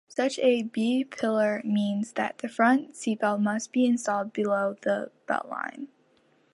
Such a B-pillar means that the front seatbelts must be installed below the beltline.